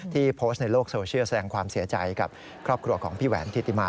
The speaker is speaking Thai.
โพสต์ในโลกโซเชียลแสดงความเสียใจกับครอบครัวของพี่แหวนทิติมา